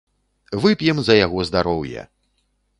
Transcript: Вып'ем за яго здароўе!